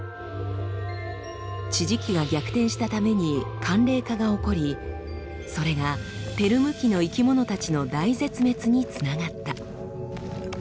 地磁気が逆転したために寒冷化が起こりそれがペルム紀の生き物たちの大絶滅につながった。